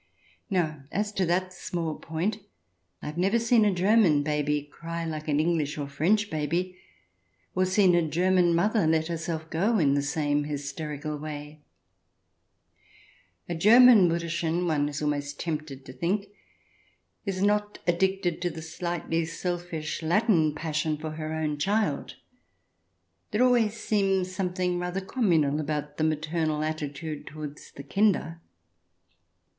Now, as to that small point, I have never seen a German baby cry like an English or French baby, or seen a German mother let herself go in the same hysterical way. A German Mutterchen, one is almost tempted to think, is not addicted to the slightly selfish Latin passion for her own child. There always seems something rather communal about the maternal attitude towards the Kinder.